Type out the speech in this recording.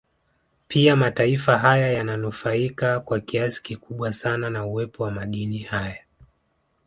Pia mataifa haya yananufaika kwa kiasi kikubwa sana na uwepo wa madini haya